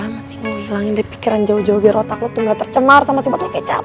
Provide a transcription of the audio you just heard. mending lo hilangin deh pikiran jauh jauh biar otak lo tuh nggak tercemar sama si botol kecap